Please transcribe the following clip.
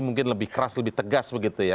mungkin lebih keras lebih tegas begitu ya